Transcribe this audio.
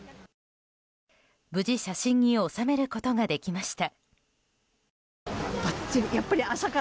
無事、写真に収めることができました。